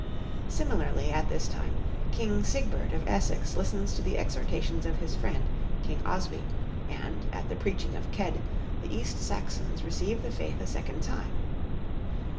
Similarly, at this time, King Sigbert of Essex listens to the exhortations of his friend, King Oswy, and, at the preaching of Cedd, the East Saxons receive the faith a second time.